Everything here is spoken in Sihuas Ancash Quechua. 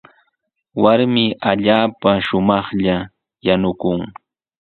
Warmi allaapa shumaqlla yanukun.